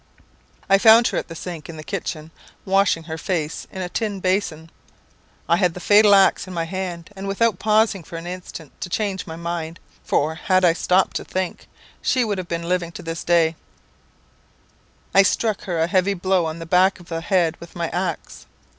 "I found her at the sink in the kitchen, washing her face in a tin basin. I had the fatal axe in my hand, and without pausing for an instant to change my mind for had I stopped to think, she would have been living to this day I struck her a heavy blow on the back of the head with my axe.